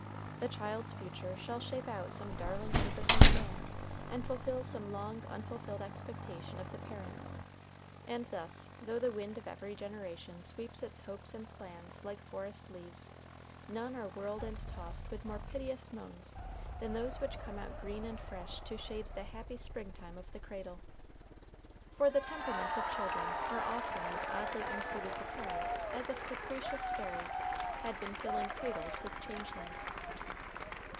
The child's future shall shape out some darling purpose or plan, and fulfill some long unfulfilled expectation of the parent. And thus, though the wind of every generation sweeps its hopes and plans like forest leaves, none are whirled and tossed with more piteous moans than those which come out green and fresh to shade the happy spring time of the cradle. For the temperaments of children are often as oddly unsuited to parents as if capricious fairies had been filling cradles with changelings.